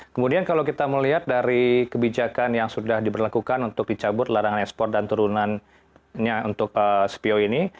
kemudian kalau kita melihat dari kebijakan yang sudah diberlakukan untuk dicabut larangan ekspor dan turunannya untuk cpo ini